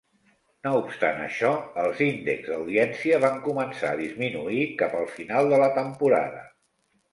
No obstant això, els índexs d'audiència van començar a disminuir cap al final de la temporada.